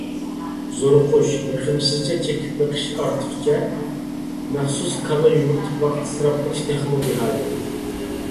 زورۇقۇش، يېقىمسىزچە چېكىپ بېقىش ئارتۇقچە. مەخسۇس كاللا يۈگۈرتۈپ ۋاقىت ئىسراپ قىلىش تېخىمۇ بىھاجەت.